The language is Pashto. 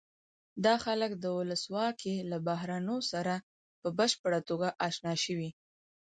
دا خلک د ولسواکۍ له بهیرونو سره په بشپړه توګه اشنا شوي.